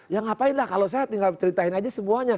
ya ngapain lah kalau saya tinggal ceritain aja semuanya